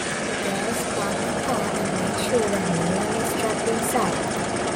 The girls park the car and make sure that no one is trapped inside.